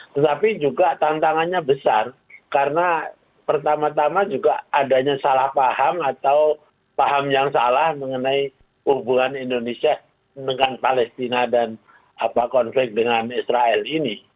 tetapi juga tantangannya besar karena pertama tama juga adanya salah paham atau paham yang salah mengenai hubungan indonesia dengan palestina dan konflik dengan israel ini